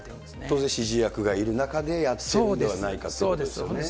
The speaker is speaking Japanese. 当然指示役がいる中でやってるんではないかということですよね。